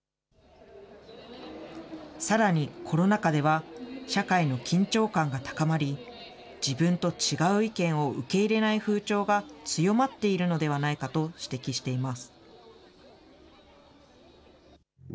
さらに、コロナ禍では社会の緊張感が高まり、自分と違う意見を受け入れない風潮が強まっているのではないかと指摘しています。